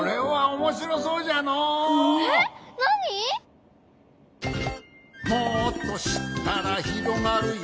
「もっとしったらひろがるよ」